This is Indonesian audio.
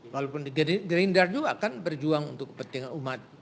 walaupun gerindra juga akan berjuang untuk kepentingan umat